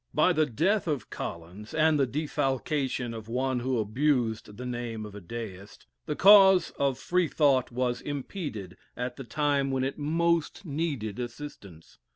By the death of Collins, and the defalcation of one who abused the name of a Deist, the cause of Free thought was impeded at the time when it most needed assistance.